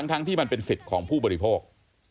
ทั้งที่มันเป็นสิทธิ์ของผู้บริโภค